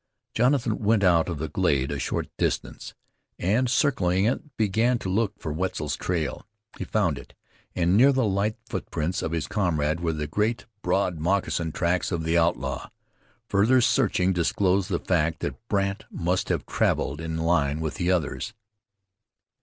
Jonathan went out of the glade a short distance, and, circling it, began to look for Wetzel's trail. He found it, and near the light footprints of his comrade were the great, broad moccasin tracks of the outlaw. Further searching disclosed the fact that Brandt must have traveled in line with the others.